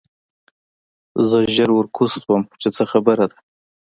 زه ژر ورکوز شوم چې څه خبره ده